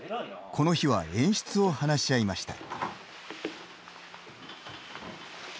この日は演出を話し合いました。